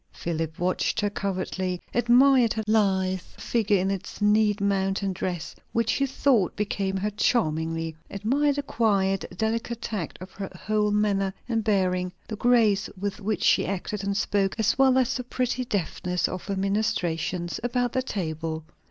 Philip watched her covertly; admired her lithe figure in its neat mountain dress, which he thought became her charmingly; admired the quiet, delicate tact of her whole manner and bearing; the grace with which she acted and spoke, as well as the pretty deftness of her ministrations about the table.